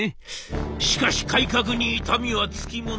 しかし改革に痛みはつきもの。